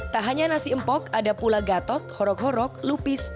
tak hanya nasi empok ada pula gatot horok horok lupis